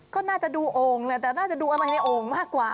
ก็น่าจะดูโอ่งแหละแต่น่าจะดูอะไรในโอ่งมากกว่า